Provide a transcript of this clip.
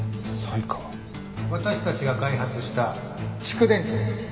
私たちが開発した蓄電池です。